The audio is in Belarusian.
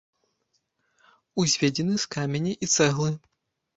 Узведзены з каменя і цэглы.